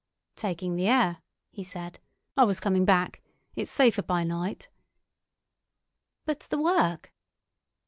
"Taking the air," he said. "I was coming back. It's safer by night." "But the work?"